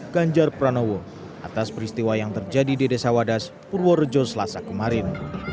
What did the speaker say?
ganjar pranowo atas peristiwa yang terjadi di desa wadas purworejo selasa kemarin